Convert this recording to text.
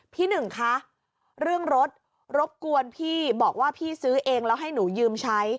พี่หนึ่งคะเรื่องรถรบกวนพี่บอกว่าพี่ซื้อเองแล้วให้หนูยืมใช้